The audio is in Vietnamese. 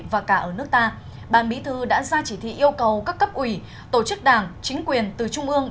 và cả ở nước ta ban bí thư đã ra chỉ thị yêu cầu các cấp ủy tổ chức đảng chính quyền từ trung ương